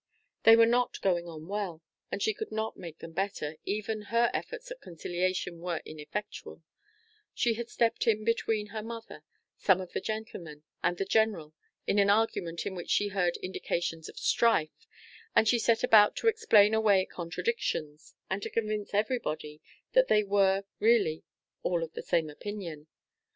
They were not going on well, and she could not make them better; even her efforts at conciliation were ineffectual; she had stepped in between her mother, some of the gentlemen, and the general, in an argument in which she heard indications of strife, and she set about to explain away contradictions, and to convince every body that they were really all of the same opinion.